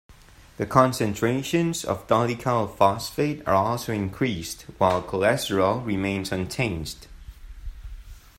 The concentrations of dolichyl phosphate are also increased, while cholesterol remains unchanged.